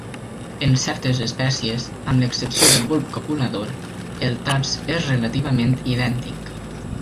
En certes espècies, amb l'excepció del bulb copulador, el tars és relativament idèntic.